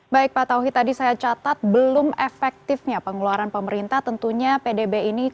baik pak tauhi tadi saya catat belum efektifnya pengeluaran pemerintah tentunya pdb ini